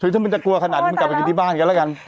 คือถ้ามันจะกลัวขนาดนี้มึงกลับไปกินที่บ้านกันแล้วกัน